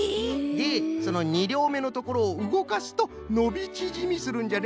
でその２りょうめのところをうごかすとのびちぢみするんじゃね。